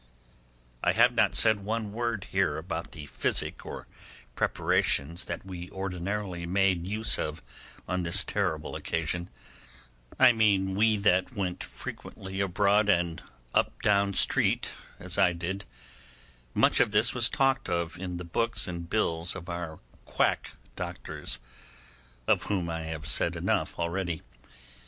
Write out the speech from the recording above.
I have not said one word here about the physic or preparations that we ordinarily made use of on this terrible occasion—I mean we that went frequently abroad and up down street, as I did; much of this was talked of in the books and bills of our quack doctors, of whom I have said enough already.